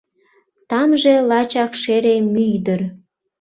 Тамже — лачак шере мӱй дыр.